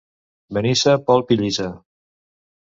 Benissa, polp i llisa.